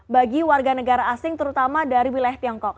bagi warga negara asing terutama dari wilayah tiongkok